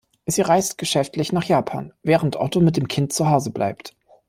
Sie reist geschäftlich nach Japan, während Otto mit dem Kind zu Hause bleibt.